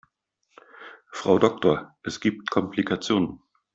Frau Doktor, es gibt Komplikationen.